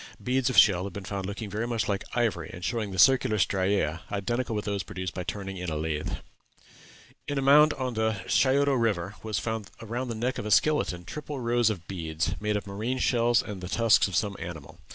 Beads of shell have been found looking very much like ivory, and showing the circular striæ, identical with those produced by turning in a lathe. In a mound on the Scioto River was found around the neck of a skeleton triple rows of beads, made of marine shells and the tusks of some animal.